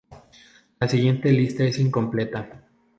La siguiente lista es incompleta.